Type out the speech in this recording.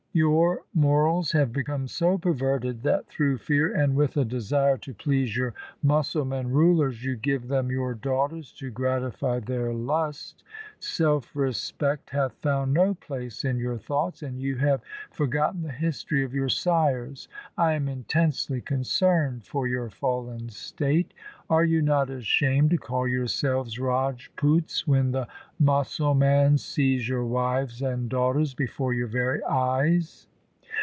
Your morals have become so perverted that through fear and with a desire to please your Musalman rulers, you give them your daughters to gratify their lust. Self respect hath found no place in your thoughts, and you have forgotten the history of your sires. I am intensely concerned for your fallen state. Are you not ashamed to call yourselves Rajputs when the Musalmans seize your wives and daughters before your very eyes.